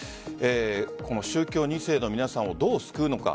宗教２世の皆さんをどう救うのか。